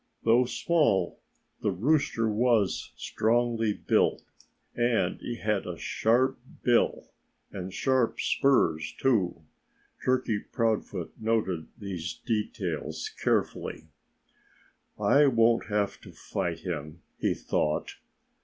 Though small, the rooster was strongly built. And he had a sharp bill and sharp spurs, too. Turkey Proudfoot noted these details carefully. "I won't have to fight him," he thought.